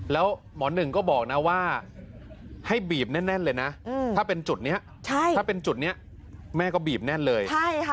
แล้วหมอหนึ่งก็บอกนะว่าให้บีบแน่เลยนะถ้าเป็นจุดนี้แม่ก็บีบแน่เลย